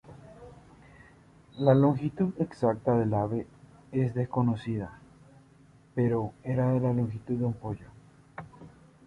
La longitud exacta del ave es desconocida, pero era del tamaño de un pollo.